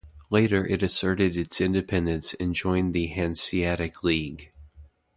Later it asserted its independence and joined the Hanseatic League.